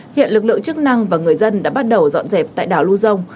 hiện lực lượng chức năng và người dân đã bắt đầu dọn dẹp tại đảo lưu dông